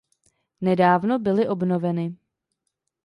Nedávno byly obnoveny.